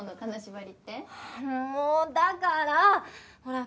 もうだからほら。